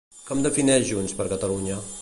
Com defineix Junts per Catalunya?